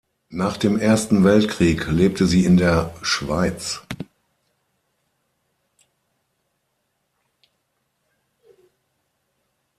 Nach dem Ersten Weltkrieg lebte sie in der Schweiz.